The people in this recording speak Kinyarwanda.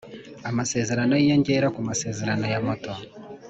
Amasezerano y Inyongera ku Masezerano ya moto